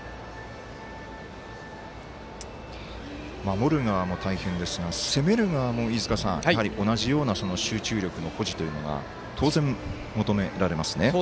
守る側も大変ですが攻める側も、同じような集中力の保持というのが当然求められますね。